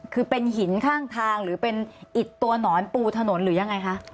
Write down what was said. คือเป็นหินข้างทางหรือเป็นอิดตัวหนอนปูถนนหรือยังไงคะ